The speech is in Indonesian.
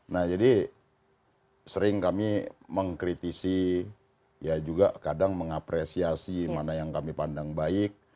nah jadi sering kami mengkritisi ya juga kadang mengapresiasi mana yang kami pandang baik